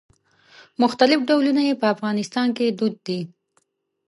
مختلف ډولونه یې په افغانستان کې دود دي.